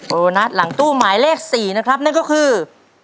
โบนัสหลังตู้หมายเลข๔นะครับนั่นก็คือ